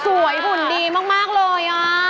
หุ่นดีมากเลย